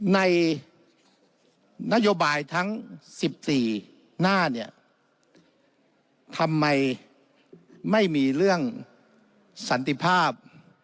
ในนโยบายทั้ง๑๔หน้าเนี่ยทำไมไม่มีเรื่องสันติภาพ